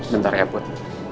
bentar ya put